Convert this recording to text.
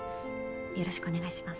よろしくお願いします。